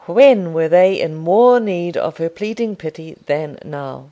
When were they in more need of her pleading pity than now?